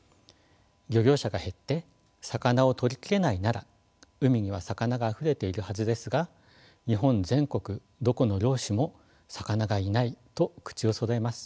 漁業者が減って魚をとり切れないなら海には魚があふれているはずですが日本全国どこの漁師も魚がいないと口をそろえます。